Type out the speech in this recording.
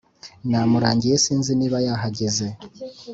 Namurangiye sinzi niba yahageze